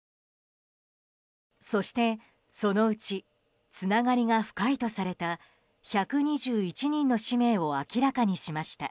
そして、そのうちつながりが深いとされた１２１人の氏名を明らかにしました。